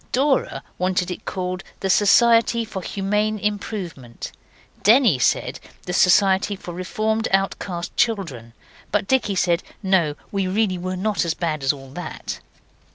Dora wanted it called the Society for Humane Improvement; Denny said the Society for Reformed Outcast Children; but Dicky said, No, we really were not so bad as all that.